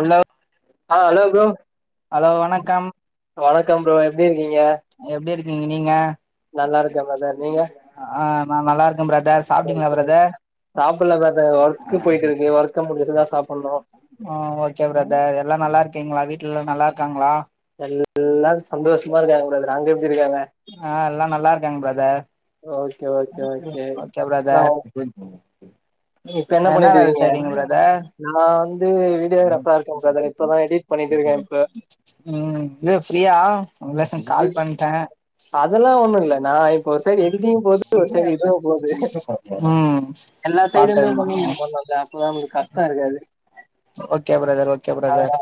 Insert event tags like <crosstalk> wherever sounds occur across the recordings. அல்லர் ஆ hello bro வணக்கம் வணக்கம் ப்ரோ எப்டி இருக்கீங்க எப்டி இருக்கீங்க நீங்க நல்லாருக்க பிரதர் நீங்க ஆ நா நல்லாருக்க பிரதர் சாப்டீங்ளா பிரதர் சாப்புட்ல பிரதர் ஒர்க்கு போய்ட்டு இருக்கு ஒர்க்க முடிச்சிட்டுதா சாப்புட்ணு ஆ ஓகே பிரதர் எல்லா நல்லா இருக்கீங்ளா வீட்ல எல்லா நல்லாருக்காங்ளா எல்லா சந்தோஷமா இருக்காங்க பிரதர் அங்க எப்டி இருக்காங்க ஆ எல்லா நல்லா இருக்காங்க பிரதர் ஓகே ஓகே ஓகே நா பிரதர் இப்ப என்ன என்னா பண்ணிட்டு வேல இருக்கீங்க செய்றீங்க பிரதர் நா வந்து வீடியோகிராஃபரா இருக்கே பிரதர் இப்பதா எடிட் பண்ணிட்டு இருக்கே இப்ப ம் எ ஃபிரீயா உங்களுக்கு கால் பண்ட்ட அதெல்லா ஒன்னு இல்ல நா இப்போ ஒரு சைடு எடிட்டிங் போது ஒரு சைடு இதுவு போது ம் பாக்கலனா கிளீனிங் பண்ணோல்ல அப்பதா உங்களுக்கு கஷ்டோ இருக்காது ஓகே பிரதர் ஓகே பிரதர்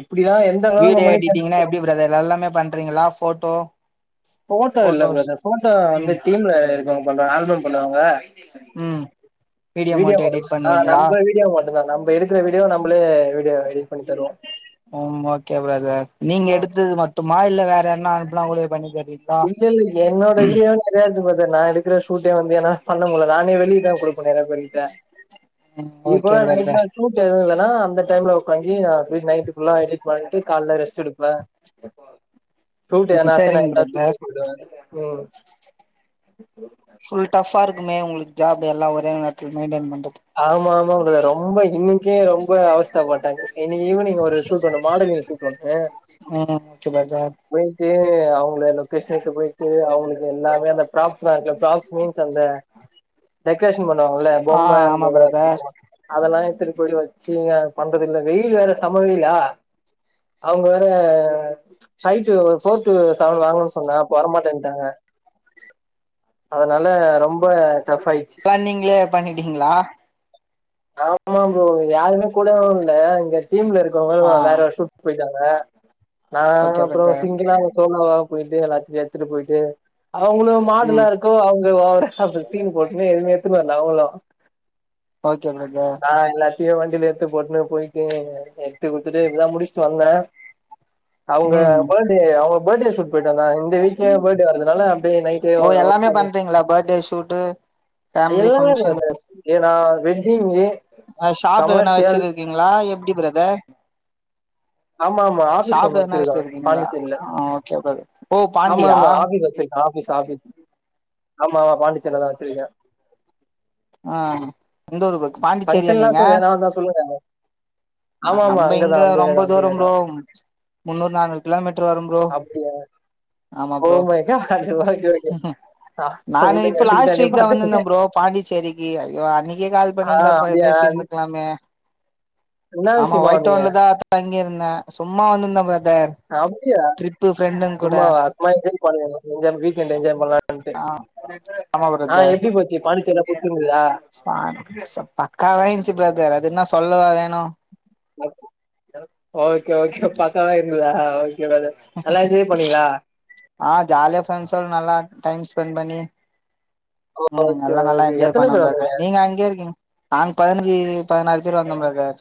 எப்டியோ என் வீடியோ எடிட்டிங்னா எப்டி பிரதர் எல்லாமே பண்றீங்களா ஃபோட்டோ ஃபோட்டோ இல்ல பிரதர் ஃபோட்டோ வந்து டீம்ல வேல இருக்குறவங்க பண்றாங்க ஆல்ப பண்ணுவாங்க ம் வீடியோ மட்டு தா நம்ம வீடியோ மட்டுதா நம்ம எடுக்குற வீடியோ நம்மளே வீடியோ எடிட் பண்ணி தருவோ ம் ஓகே பிரதர் நீங்க எடுத்தது மட்டுமா இல்ல வேற யார்ன்னா அனுப்புனா கூட பண்ணி தருவீங்களா இல்ல இல்ல என்னோட வீடியோ முடியாது பிரதர் நா எடுக்குற ஷூட்டே வந்து என்னால பண்ண முடில நானே வெளியதா குடுப்ப நெறய பேர் கிட்ட ம் ஓகே இப்பதா நய்பா பிரதர் ஷூட் இந்த டைம் ல இல்லனா அந்த டைம்ல உக்காஞ்ஜி நைட் ஃபுல்லா எடிட் பண்ணிட்டு காலைல ரெஸ்ட் எடுக்கலா இது சரிங்க இருந்தா ஷூட் பிரதர் ம் <inaudible> ஃபுல் டஃபா இருக்குமே உங்களுக்கு ஜாப் எல்லா ஒரே நேரத்துல மெயின்டெய்ன் பண்றது ஆமா ஆமாங்க பிரதர் ரொம்ப இன்னைக்கே ரொம்ப அவஸ்த பட்டது இன்னிக்கி ஈவினிங் ஒரு ஷூட் ஒன்னு மாடலிங் ஷூட் ஒன்னு ம் ஓகே பிரதர் போய்ட்டு அவங்க லொகேஷனுக்கு போய்ட்டு அவங்களுக்கு எல்லாமே அந்த ப்ராப்ஸ்லா இருக்குல ப்ராப்ஸ் மீன்ஸ் அந்த டெக்கரேஷன் பண்ணுவாங்கல்ல ஆ பொம்ம அந்த ஆமா இத வச்சு பிரதர் பண்ணுவாங்க அதெல்லா எத்துட்டு போயிட்டு வச்சு இங்க பண்றது இங்க வெயில் வேற செம வெயிலா அவுங்க வேற ஹைட்டு ஒரு ஃபோர்த்து செவன் வாங்குன்னு சொன்னே அப்போ வரமாட்டேன்ட்டாங்க அதனால ரொம்ப டஃப் ஆயிச்சு நீங்களே பண்ணிட்டீங்களா ஆமா ப்ரோ யாருமே கூடவு இல்ல இங்க டீம்ல ஆ இருக்கவங்கள வேற ஒர்க்கு போயிட்டாங்க நா ஓகே அப்புறோ பிரதர் சிங்குலா சோலாவா போயிட்டு எல்லாத்தையு எடுத்துட்டு போயிட்டு அவுங்களு மாடுல்லா ம் இருக்கு அவுங்க ஓவரா சீன் போட்டுட்டு எதுமே எடுத்து வரல அவுங்களு ஓகே பிரதர் ஆ எல்லாத்தையு வண்டியில எடுத்து போட்டுன்னு போயிட்டு எடுத்து குடுத்துட்டு இப்பதா முடிச்சுட்டு வந்தே அவுங்க ம் பர்த்டே அவுங்க பர்த்டே ஷூட் போயிட்டு வந்தா இந்த வீக் பர்த்டே வரதுனால அப்டி நைட் ஓ எல்லாமே பண்றீங்களா பர்த்டே ஷூட்டு ஃபேமிலி எல்லாமே ஃபங்க்ஷன் பண்றே ஏனா வெட்டிங்கு அ ஷாப்பு எதன கமர்ஷியல் வச்சிட்டு இருக்கீங்களா எப்டி பிரதர் ஆமா ஆமா ஆபீஸ் ஒண்ணு ஷாப்பு என்ன வெச்சிட்டு வச்சிருக்கேன் இருக்கீங்களா பாண்டிச்சேரியில ஆ ஓகே பிரதர் ஓ பாண்டியா ஆஃபீஸ் ஆஃபீஸ் ஆமா பாண்டிச்சேரி ல தான வச்சிருக்கே ஆ எந்த ஊரு பக்கோ பாண்டிச்சேரியா ஃபங்க்ஷன்லாம் நீங்க சொல்ல நான் தான் சொல்லுங்க அ ஆமா ஆமா நம்ப இங்க அங்கதான் அந்த ஏரியா ரொம்ப தான் அந்த ஏரியா தூரம் ப்ரோ தான் முன்னூறு நானூறு கிலோமீட்டர் வரும் ப்ரோ அப்படியா ஆமா ஓ bro my God okay okay நானு விடுங்க இப்போ லாஸ்ட் ஃபிட்டானே வீக் தா பாத்துக்கங்க வந்திருதே ப்ரோ பாண்டி செரிக்கு ஐயோ அன்னைக்கே கால் ஆ பண்ணியிருந்தா பே அப்படியா பேசியிருந்துக்கலாமே என்ன ஆமா விஷயமா ஒயிட் வந்தீங்க டவுன்ல தா தங்கியிருந்தே சும்மா வந்திருந்தே பிரதர் அப்டியா ட்ரிப்பு ஃப்ரெண்டுங் கூட சும்மா அசமா என்ஜாய் பண்ணலானு வீக் என்ட் என்ஜாய் பண்ணலாம்டு ஆ ஆமா பிரத ஆ எப்டி போச்சு பாண்டி சேரில்லா புடிச்சி இருந்துச்சா சா பக்காவா இருச்சு ப்ரோ அது அது என்ன சொல்லவா வேணு ஓகே ஓகே பக்காவா இருந்ததா ஓகே நல்லா என்ஜாய் பண்ணீங்களா ஆ ஜாலியா ஃப்ரெண்ட்ஸோட நல்லா டைம் ஸ்பெண்ட் பண்ணி ம் ஓகே நல்லா நல்லா ஓகே என்ஜாய் எத்தன பண்ண பேர் வந்தீங்க பிரதர் நீங்க அங்கேயே இருக்கீங் நாங்க பதினஞ்சு பதினாலு பேர் வந்தோ பிரதர்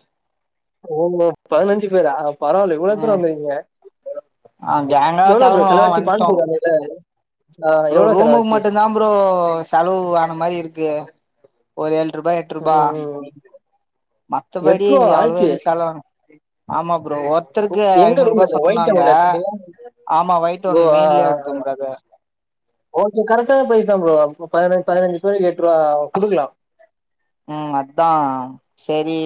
ஓஹோ பதினஞ்சு பேரா பரவாயில்ல இவ்வளோ பேர் ம் வந்து இருக்கீங்க ஆ கேங்கா எவ்வளோ ப்ரோ கெளம்புனோ செலவாச்சி வந்ட்டோ பாண்டிச்சேரி வந்ததுக்கு ப்ரோ ரூமுக்கு மட்டுதா ப்ரோ செலவு ஆன மாரி இருக்கு ஒரு ஏழு ரூபா எட் ருபா ம் ம் மத்தபடி எட்ரூவா அவ்வளவா ஆச்சு எது செலவு ஆமா ப்ரோ ஒ ர்தருக்கு எங்க ஐநூறு ரூம் ரூபா எடுத்தீங்க ஒயிட் சொன்னாங்க டவுன்ல எடுத்தீங்களா ஆமா ஒயிட்டோன் ஓ ஆ மெயின்லயே எடுத்தம் ப்ரோ அதா ஓகே கரெக்டான ப்ரைஸ் தா ப்ரோ பதின பதினஞ்சு பேருக்கு எட்ருவா குடுக்கலா ம் அதா செரி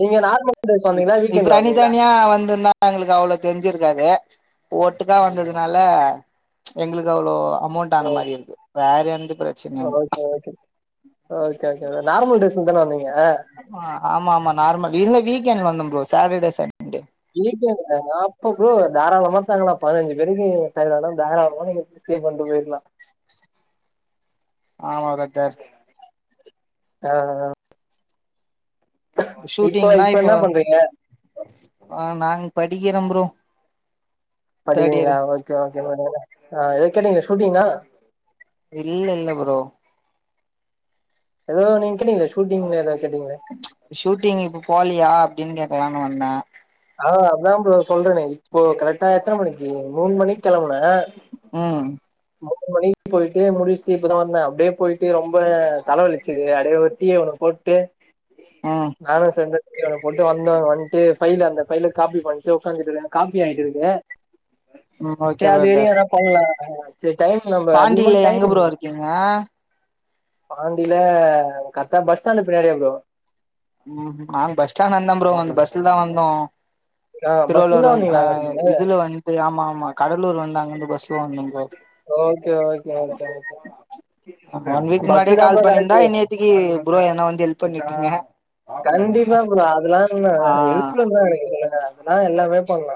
நீங்க நார்மல் ட்ரெஸ் இப் வந்தீங்களா இப்ப வீக்கெண்ட்ல தனி வந்தீங்களா தனியா வந்திருந்தா எங்களுக்கு அவ்ளோ தெரிஞ்சிருக்காது ஒட்டுகா வந்ததுனால எங்களுக்கு அவ்ளோ அமௌண்ட் ஆன மாரி இருக்கு வேற எந்த பிரச் okay okay okay okay normal ட்ரெஸ்ல தானே வந்தீங்க ஆமா ஆமா ஆமா நார்மல் இல்ல வீக்கெண்ட் வந்த bro Saturday Sunday weekend நா அப்ப ப்ரோ தாராளமா தங்களா பதினஞ்சு பேருக்கு தங்குற அளவுக்கு தாராளமா ஸ்டே பண்ட்டு போயிக்கலா ஆமா கத்தர் ஆ ஆ இப்ப ஷூட்டிங்னா இப்ப இப்போ என்ன பண்றீங்க அ நாங்க படிக்கிறே ப்ரோ தேர்ட் படிக்கீறிங்களா இயரு ஓகே ஓகே <unintelligible> ஆ ஏதோ கேட்டீங்களே ஷூட்டிங்னா இல்ல இல்ல ப்ரோ ஏதோ நீங்க கேட்டிங்களே ஷூட்டிங்ல ஏதோ கேட்டீங்களே ஷூட்டிங் இப்ப போலயா அப்டின்னு கேக்கலானு வந்தே ஆ அதா ப்ரோ சொல்றேனே இப்போ கரெக்டா எத்தன மணிக்கு மூணு மணிக்கு கிளம்புனே ம் மூணு மணிக்கு போயிட்டு முடிச்சுட்டு இப்பதா வந்தே அப்டியே போயிட்டு ரொம்ப தலைவலிச்சுது அடியே ஒரு டீய ஒன்னு போட் டடு ம் நானு செந் <unintelligible> போட்டு வந்தோ வந்துட்டு ஃபைல அந்த ஃபைல காப்பி பண்ட்டு ஒக்காந்துட்டு இருக்கே காப்பி ஆகிட்டு இருக்கு ம் சே ஓகே அது வரைக்கு பிரதர் எதா பண்லா சே டைம் நம்ம அதிகமான பாண்டியில எங்க டைம் ப்ரோ இருக்கீங்க பாண்டில கர்ட்டா பஸ் ஸ்டாண்டு பின்னாடியே ப்ரோ ம் நாங்க பஸ் ஸ்டாண்ட் வந்தோ ப்ரோ அந்த பஸ்ல தா வந்தோ ஆ பஸ்ல திருவள்ளூர் தான் வந் ஆ வந்தீங்களா இதுல வந்து ஆமா ஆமா கடலூர் வந்து அங்க இருந்து பஸ்ல வந்தே bro okay okay okay okay bus தா ப்ரோ கரெட்டு திக்கி ப்ரோ எதுனா வந்து ஹெல்ப் பண்ணி இருக்கீங்க கண்டிப்பா ப்ரோ அதுல்லா என்ன ஆ ஹெல்ப்ல தா <unintelligible> அதெல்லா எல்லாமே பண்லா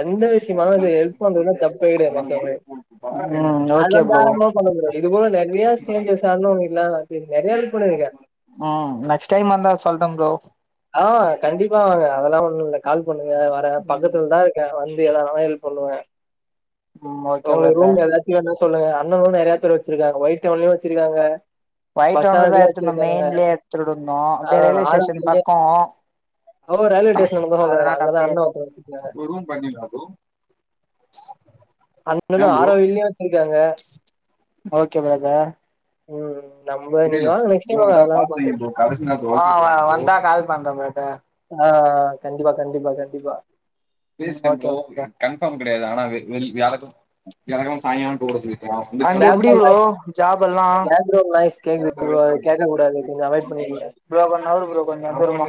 எந்த விஷயமானது ஹெல்ப் பண்றதுல தப்பே கெடையாது மக்கள் மாதிரி ம் அது ஓகே வந்து ப்ரோ ஆரம்பம் பண்ணது கெடையாது இது போக நெறைய ஸ்ட்ரேஞ்சர்ஸ் ஆழுக ஒன்னு இல்லா <unintelligible> நெறையாவே பண்ணிருக்கே ம் நெக்ஸ்ட் டைம் வந்தா சொல்றே ப்ரோ ஆ கண்டிப்பா வாங்க அதெல்லா ஒண்ணு இல்ல கால் பண்ணுங்க வரே ம் பக்கத்துல தா க்கே வந்து எதா நாளு ஹெல்ப் பண்ணுவே ம் ஓகே உங்களுக்கு ரூம் பிரதர் ஏதாச் சு என்ன சொல்ல அண்ணனு நெறைய பேர் வச்சிருக்காங்க ஒயிட் டவுன்லயு வச்சிருக்காங்க ஒயிட் பஸ் டவுன்லதா ஸ்டாண்டுக்கே எத்துருந்தோ வச்சிருக்காங்க மெயின்லயே எத்துருந்தோ ஆ அப்டியே ரயில்வே ஸ்டேஷன் ஆரோவில்லியே பக்கோ ஓ ரயில்வே ஸ்டேஷன் தான் சொல்றாரு அதனால அங்கதான் அப்டியே அண்ண ஒருத்தங்க வச்சிருக்காங்க ஓ ரூம் பாத்திங்களா ப்ரோ அண்ணனு ஆரா வெயிலையு வச்சிருக்காங்க ஓகே பிரதர் ம் நம்ம நீங்க புரில வாங்க நெக்ஸ்ட் ப்ரோ டைம் வாங்க எதாது அதெல்லா பாத்து வைங்க ப்ரோ கடைசி வந்தா கால் பண்றே ஃபிரதர் ஆ கண்டிப்பா கண்டிப்பா கண்டிப்பா <unintelligible> கன்ஃபாம் கெடையாது ஆனா வெ வெள்ளி வியாழகெழம வியாழகெழம சாயங்கால போட சொல்லி அங்க எப்டி பேக்ரவுண்ட் ப்ரோ ஜாப்பு எல்லா பேக்ரவுண்ட் நாய்ஸ் கேக்குது ப்ரோ அது கொஞ்ச கேட்க கூடாது கொஞ்ச அவாய்ட் பண்ணிக்கங்க நவுரு ப்ரோ கொஞ்ச தூரமா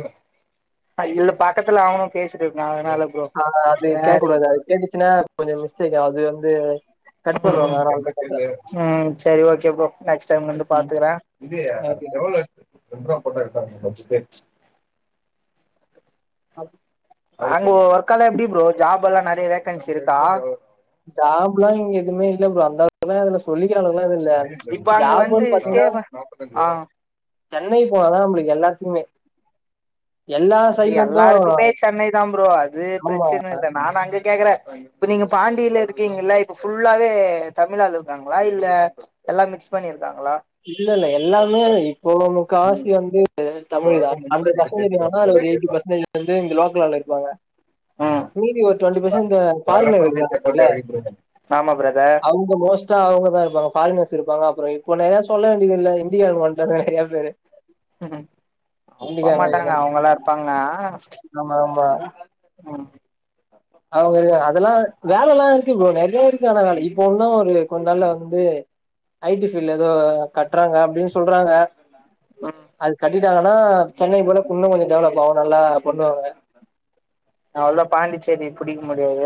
அ இல்ல பக்கத்துல அவனு பேசிட்டுருக்கா அதனால ப்ரோ ஆ அது கேக்க வேற கூடாது அது கேட்டுச்சுன்னா கொஞ்ச மிஸ்டேக் அது வந்து கட் பண்ணுவாங்க வேற <unintelligible> ம் சேரி ஓகே ப்ரோ நெக்ஸ்ட் டைம் வந்து ம் பாத்துக்குறே இது ஓகே எவளோ ரெண்டு ரூவா போட்டா எடுத்தா <unintelligible> அவ் அங்க ஒர்க எல்லா எப்டி ப்ரோ ஜாப் எல்லா நெறைய வேக்கன்சி இருக்கா ஜாப்லா இங்க எதுவுமே இல்ல ப்ரோ அதா ல்லா இதுல சொல்லிக்கிற அளவுக்குல்லா எதுவு இல்ல இப்ப அங்க வந்து ஜாப்புன்னு ஸ்டே பாத்தீங்கன்னா ஆ சென்னை போனாதா நம்பளுக்கு எல்லாத்துக்குமே எல்லா அது சைட்ல இருந்து எல்லாருக்குமே சென்னை தா ப்ரோ அது நம்ம பிரச்சன இல்ல நானு அங்க கேக்குற இப்ப நீங்க பாண்டியில இருக்கீங்கல்ல இப்ப ஃபுல்லாவே தமிழ் ஆளு இருக்காங்களா இல்ல எல்லா மிக்ஸ் பண்ணியிருக்காங்களா இல்லல்ல எல்லாருமே இப்போ உள்ளவனு காசு வந்து ஆ தமிழ் தா ஹண்ட்ரட் பர்சண்டேஜ் வேணா அதுல ஒரு எயிட்டி பெர்சன்டேஜ் வந்து இங்க லோக்கல் ஆளு இருப்பாங்க ம் மீதி ஒரு டொண்ட்டி பர்சென்ட் இந்த ஃபாரின்ல இருக்குறாங்கல்ல ஆமா பிரதர் அவுங் க மோஸ்ட்டா அவுங்க தா இருப்பாங்க ஃபாரினர்ஸ் இருப்பாங்க அப்பற இப்போ நெறைய சொல்ல வேண்டியது இல்ல இந்தியாக் வந்ட்டாங்க நெறைய பேரு அவுங்க போ மாட்டாங்க இந்திக்காரங்க அவுங்கல்லா இருப்பாங்க ஆமா ஆமா ஆ அவுங்க அதெல்லா வேல எல்லா இருக்கு ப்ரோ நெறைய இருக்கு ஆனா வேல இப்போ இன்னு ஒரு கொஞ்ச நாள்ல வந்து ஐடி ஃபீல்ட்ல ஏதோ கட்றாங்க அப்டின்னு சொல்றாங்க ம் அது கட்டிட்டாங்கன்னா சென்னை போல இன்னு கொஞ்ச டெவலப் ஆவு நல்லா பண்ணுவாங்க அவ்ளதா பாண்டிச்சேரி புடிக்க முடியாது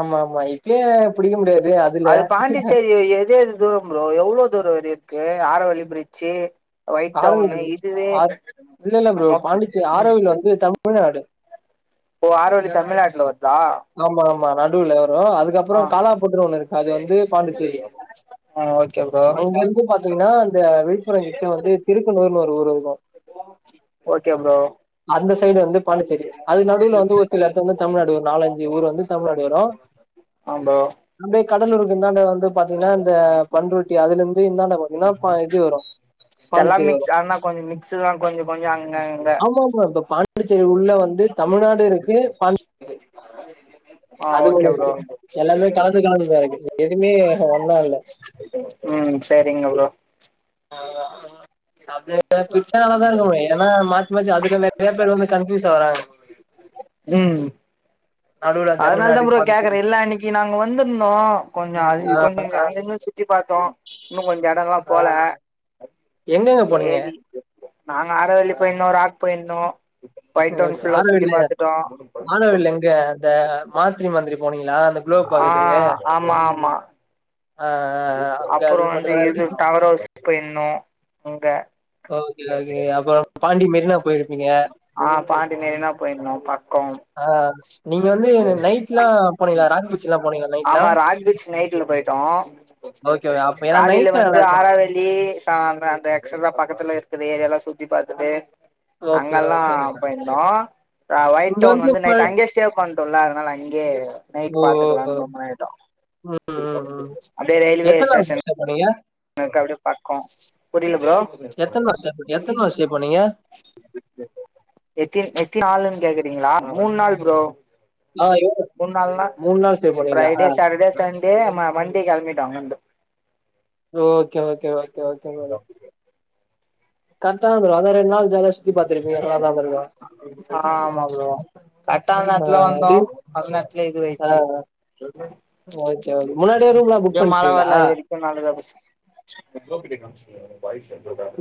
ஆமா ஆமா இப்பயே புடிக்க முடியாது அதுல அது பாண்டிச்சேரி எது எது தூரம் ப்ரோ எவ்வளவு தூர வரையு இருக்கு ஆரவல்லி பிரிட்ஜி ஆரவல்லி ஆர் இல்லல்ல ப்ரோ மொத் பாண்டிச்சேரி ம் ஆரவல்லி வந்து தமிழ்நாடு ஓ ஆரவல்லி தமிழ்நாட்ல வருதா ஆமா ஆமா நடுவுல வரு அதுக்கப்ற ஆ காலாபோட்னு ஒண்ணு இருக்கு அது வந்து பாண்டிச்சேரி ஆ ஓகே ப்ரோ அங்கேருந்து பாத்தீங்கன்னா அந்த விழுப்புரம் கிட்ட வந்து திருக்கனூர்னு ஒரு ஊர் இருக்கும் ஓகே ப்ரோ அந்த சைடு வந்து பாண்டிச்சேரி அதுக் நடுவுல வந்து ஒரு சில எடத்துல வந்து தமிழ்நாடு ஒரு நாலஞ்சு ஊர் வந்து தமிழ்நாடு வரு ஆ ப்ரோ அப்டியே கடலூருக்கு இந்தாண்டு வந்து பாத்தீங்கன்னா இந்த பண்ருட்டி அதுல இருந்து இந்தாண்ட பாத்தீங்கன்னா பல இது வரு இதெல்லா மிக்ஸ் ஆனா கொஞ்ச மிக்ஸு தா கொஞ்ச கொஞ்ச அங்க அங்க ஆமா ப்ரோ இப்ப பா பாண்டிச்சேரி உள்ள வந்து தமிழ்நாடு இருக்கு பாண் ஆ அதுல ஓகே ப்ரோ எல்லாமே கலந்து கலந்துதா இருக்கு எதுவுமே ஒன்னா இல்ல ம் சரிங்க ப்ரோ ஆ அது பிச்ச ஆளா தா இருக்க முடியும் ஆனா மாத்தி மாத்தி அதுல நெறைய பேர் வந்து கன்ஃபியூஸ் ஆகுறாங்க ம் நடுவுல அதனால தா தமிழ்நாடு ப்ரோ கேக்குற பாண்டிச்சேரி இல்லனா இன்னைக்கு நாங்க வந்துருந்தோ கொஞ்ச அது கொஞ்ச அங்கங்க சுத்தி பாத்தோ இன்னு கொஞ்ச எடல்லா ஆ போல எங்கெங்க போனீங்க சேரி நாங்க ஆரவல்லி போயிருந்தோ ராக் போயிருந்தோ ஒயிட் டவுன் ஓகே ஃபுல்லா சுத்தி ஆரவல்லில பாத்துட்டோ ஆரவல்லில எங்க இந்த மாத்திர மந்திரி போனீங்களா அந்த குளோ ஆ பாக்குறதுக்கு ஆமா ஆமா ஆ அங்க அப்புற அது வந்து மட்டுந்தா இது இருக்கு டவர் ஹவுஸ்க் போயிருந்தோ இங்க ஓகே ஓகே அப்பறோ பாண்டி மெரினா போயிருப்பீங்க ஆ பாண்டிமேரினா போயிருந்தோ பக்கோ ஆ நீங்க வந்து நைட்ல்லா போனீங்களா ராக்பீச்ல்லா போனீங்கள்ள ஆமா ராக்பீச் நைட்ல போயிட்டோ ஓகே ஓகே. அப்ப ஏன்னா காலேல நைட்ல வந்து நல்லா இருக்கு ஆறாவெள்ளி சாம்ப ந்த ஆக்ச்சுவலா பக்கத்துல இருக்கிற ஏரியலா சுத்தி பாத்துட்டு ஓகே அங்கெல்லா ஓகே போயிருந்தோ அ இங்க ஒயிட்டோன் வந்து நைட் ம- அங்கயே ஸ்டே பண்டோல அதனால அங்கயே ஓ நைட் ஓ, ஓ. பாத்துக்கலானு <unintelligible> ம் அப்டியே ரயில்வே ஸ்டேஷன் போனிங்க எங்ளுக் அப்டி பக்கோ புரில ப்ரோ எத்தன நாள் ஸ்டே எத்தன வருஷே போனீங்க எத்தி எத்தி நாளுன் கேக்றீங்ளா மூண் நாள் ப்ரோ ஆ எவ் மூண் நாள்னா மூணு நாள் ஸ்டே பண்ணீங்களா ஆ ஃப்ரைடே சாட்டர்டே சண்டே ம மண்டே கெளம்பிட்டோ அங்கிருந்து okay okay okay okay <unintelligible> கரக்ட்தா bro அதா ரெண்டு நாள் ஜாலியா சுத்தி பாத்திரிக்கீங்க <unintelligible> ஆமா ப்ரோ கட்டான ஆ நேரத்ல வந்தோ ட்ரிங் அது நேரத்லயே ஆ இதுவெச்சி <inaudible> ஓகே ஓகே முன்னாடியே எது பிளான் இங்க மழ வரல அது வெரிக்கு நல்லதா போச்சு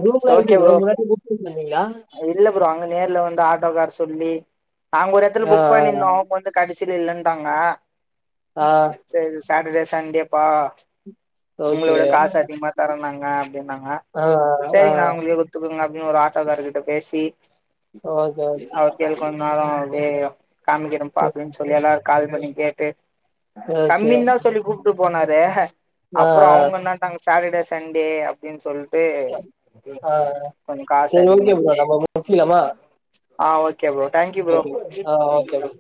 ரூம்லா எப்டி ஓகே ப்ரோ முன்னாடி புக் பண்ணீங்களா இதுல <unintelligible> அங்க நேர்ல வந்த ஆட்டோ கார் சொல்லி நாங்க ஒரு எடத்துல ஆ புக் பண்ணிருந்தோ அவுங்க வந்து கடேசில இல்லன்டாங்க ஆ செரி சாட்டர்டே சண்டேப்பா உங்கள ஓகே விட காஸ் அதிகமா தரன்னாங்க அப்டின்னாங்க ஆ ஆ ஆ செரிங் நா அவுங்குளுக்கே குத் த்துக்குருங்க அப்டின் ஒரு ஆட்டாேகார் கிட்ட பேசி ஓகே ஓகே கேளு கொந்தாலு அப்டியே <unintelligible> அப்டியே காமிக்கிற பாதுக்னு சொல்லி எல்லாரு கால் பண்ணி கேட்டு ஓகே தம்பின் தா சொல்லி கூப்ட்டு போனாரு ஆ அப்றோ அவுங்கன்னா நாங்க சாட்டர்டே சண்டே அப்டின் சொல் இப்யே ஆ ஆ கொஞ்சோ காஸ் சரி ஓகே ப்ரோ அதிகமாயிடுச்சு நம்ம முடிச்சிக்கலாமா ஆ okay bro thank you bro okay ஆ ஓகே ப்ரோ